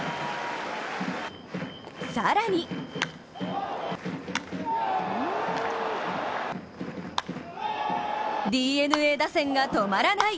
更にＤｅＮＡ打線が止まらない！